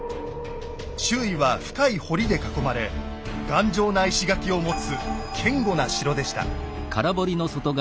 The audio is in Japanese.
周囲は深い堀で囲まれ頑丈な石垣を持つ堅固な城でした。